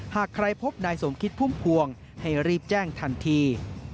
หากใครพบนายสมคิดพุ่มพวงให้รีบแจ้งทันที